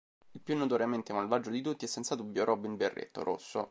Il più notoriamente malvagio di tutti è senza dubbio "Robin Berretto Rosso".